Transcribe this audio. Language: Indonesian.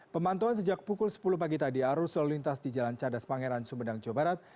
pemantauan sejak pukul sepuluh pagi tadi arus lalu lintas di jalan cadas pangeran sumedang jawa barat